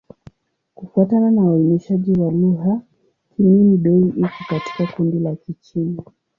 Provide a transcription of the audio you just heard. Kufuatana na uainishaji wa lugha, Kimin-Bei iko katika kundi la Kichina.